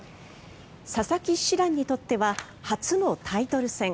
佐々木七段にとっては初のタイトル戦。